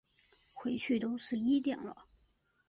回去都十一点了